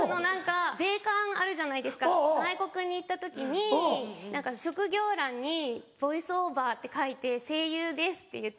税関あるじゃないですか外国に行った時に職業欄にボイスオーバーって書いて「声優です」って言って。